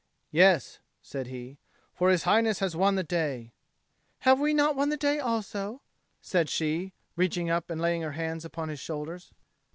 "Yes," said he. "For His Highness has won the day." "Have not we won the day also?" said she, reaching up and laying her hands on his shoulders.